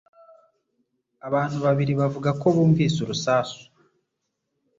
Abantu babiri bavuga ko bumvise urusasu